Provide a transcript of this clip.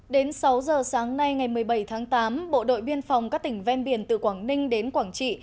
đến sáu giờ sáng nay ngày một mươi bảy tháng tám bộ đội biên phòng các tỉnh ven biển từ quảng ninh đến quảng trị